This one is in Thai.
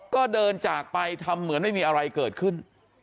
ก็เดินจากไปทำเหมือนไม่มีอะไรเกิดขึ้น